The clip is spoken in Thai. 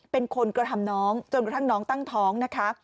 เป็นคนกระทำน้องจนกระทั่งน้องตั้งท้องนะคะ